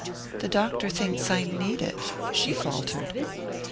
"The doctor thinks I need it," she faltered.